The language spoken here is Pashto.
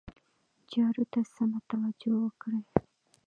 چارو ته سمه توجه وکړي.